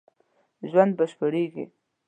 ژوند بشپړېږي